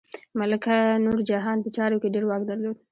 ملکه نورجهان په چارو کې ډیر واک درلود.